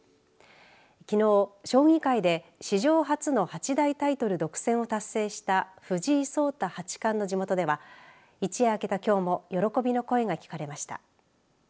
きのう、将棋界で史上初の八大タイトル独占を達成した藤井聡太八冠の地元では一夜明けたきょうも喜びの声が聞かれました。